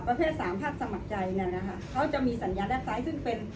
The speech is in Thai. ประเภทสามภาคสมัครใจเนี่ยนะคะเขาจะมีสัญญาด้านซ้ายซึ่งเป็น